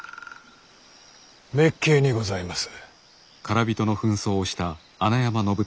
滅敬にございます。